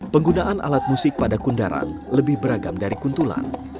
penggunaan alat musik pada kundaran lebih beragam dari kuntulan